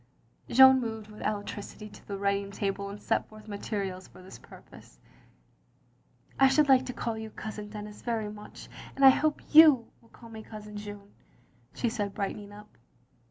" Jeanne moved with alacrity to the writing table and set forth materials for this purpose. "I should like to call you Cousin Denis very much, and I hope you will call me Cousin Jeanne, " she said brightening up.